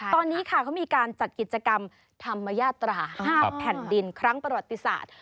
ตอนนี้ค่ะเขามีการจัดกิจกรรมธรรมญาตรา๕แผ่นดินครั้งประวัติศาสตร์